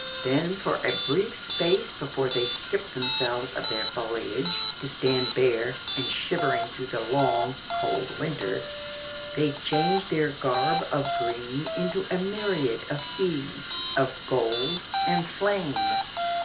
Then for a brief space before they strip themselves of their foliage to stand bare and shivering through the long, cold winter, they change their garb of green into a myriad of hues of gold and flame.